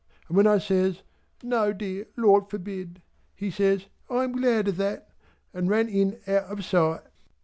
and when I says "No dear, Lord forbid!" he says "I am glad of that!" and ran in out of sight.